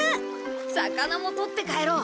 魚もとって帰ろう！